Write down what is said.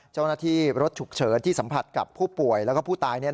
เจ้าหน้าที่รถฉุกเฉินที่สัมผัสกับผู้ป่วยแล้วก็ผู้ตาย